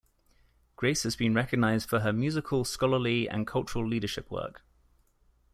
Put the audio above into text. Grace has been recognized for her musical, scholarly, and cultural leadership work.